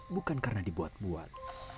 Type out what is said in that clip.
bukan karena dibuat buat